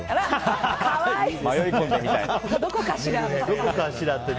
どこかしらって。